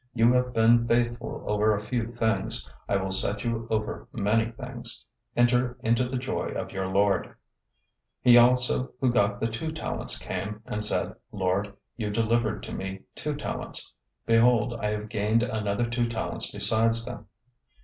You have been faithful over a few things, I will set you over many things. Enter into the joy of your lord.' 025:022 "He also who got the two talents came and said, 'Lord, you delivered to me two talents. Behold, I have gained another two talents besides them.'